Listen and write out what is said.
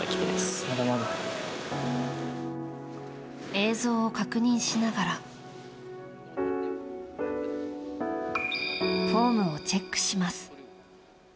映像を確認しながらフォームをチェックします。